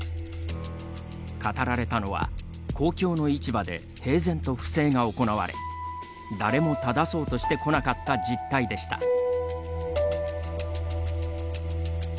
語られたのは公共の市場で平然と不正が行われ誰も正そうとしてこなかった実態でした。